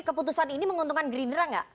keputusan ini menguntungkan gerinda enggak